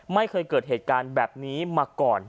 ไม่เคยเกิดเหตุการณ์แบบนี้มาก่อน